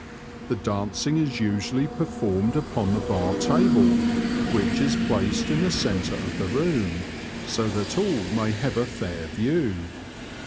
The dancing is usually performed upon the bar table, which is placed in the centre of the room, so that all may have a fair view.